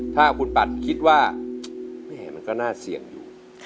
ถ้าคุณปัดคิดว่าแม่มันก็น่าเสี่ยงอยู่